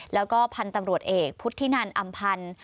แล้วก็พันธุ์ตำรวจเอกพุทธินันอำพันธ์